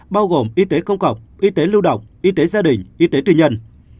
bao gồm y tế công cộng y tế lưu độc y tế gia đình y tế tùy nhân